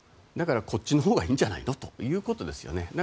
だから、こっちのほうがいいんじゃないのということですね。